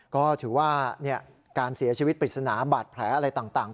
ก็ถือว่าการเสียชีวิตปริศนาบาดแผลอะไรต่าง